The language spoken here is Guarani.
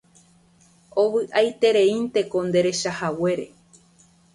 Ovy'aitereínteko nderechahaguére